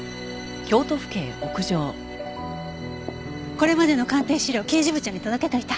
これまでの鑑定資料刑事部長に届けといた。